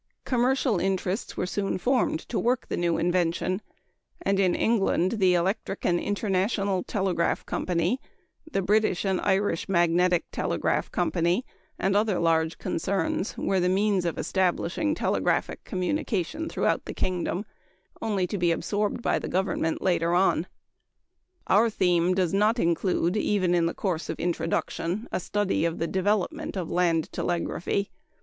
Commercial interests were soon formed to work the new invention, and in England the Electric and International Telegraph Company, the British and Irish Magnetic Telegraph Company, and other large concerns were the means of establishing telegraphic communication throughout the kingdom only to be absorbed by Government later on. Our theme does not include even in the course of introduction a study of the development of land telegraphy.